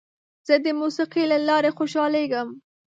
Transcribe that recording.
زه د موسیقۍ له لارې خوشحالېږم.